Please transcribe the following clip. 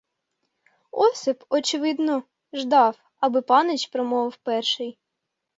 Осип, очевидно, ждав, аби панич промовив перший.